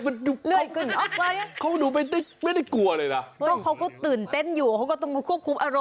มันเหลือดเท้าให้กลับมานะครับมันเหลือดเท้าให้กลับมานะครับ